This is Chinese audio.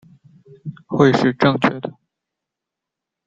会是正确的